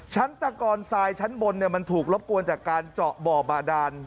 ตะกอนทรายชั้นบนมันถูกรบกวนจากการเจาะบ่อบาดาน